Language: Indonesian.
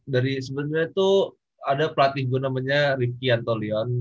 dari sebenernya tuh ada pelatih gue namanya ripky antolion